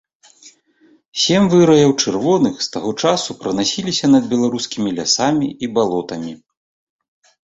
Сем выраяў чырвоных з таго часу пранасіліся над беларускімі лясамі і балотамі.